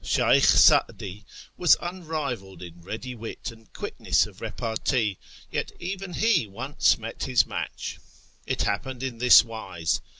Sheykh Sa'di was unrivalled in ready wit and quickness of repartee, yet even he once met with his match. It happened in this wise.